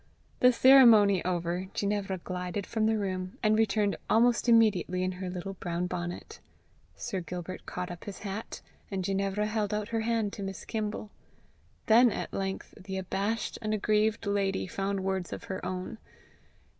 The ceremony over, Ginevra glided from the room, and returned almost immediately in her little brown bonnet. Sir Gilbert caught up his hat, and Ginevra held out her hand to Miss Kimble. Then at length the abashed and aggrieved lady found words of her own.